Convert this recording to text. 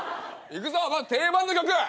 いくぞ定番の曲！